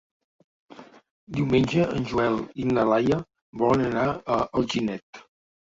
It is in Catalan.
Diumenge en Joel i na Laia volen anar a Alginet.